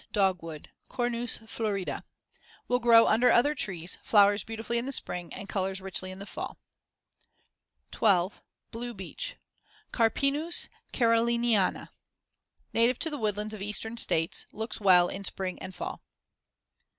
Dogwood (Cornus florida) Will grow under other trees; flowers beautifully in the spring and colors richly in the fall. 12. Blue beech (Carpinus caroliniana) Native to the woodlands of the Eastern States; looks well in spring and fall.